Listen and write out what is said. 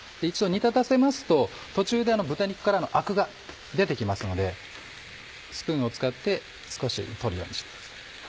一度煮立たせますと途中で豚肉からのアクが出て来ますのでスプーンを使って少し取るようにします。